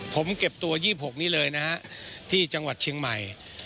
ผมเก็บตัว๒๖นี้เลยนะฮะที่จังหวัดเชียงใหม่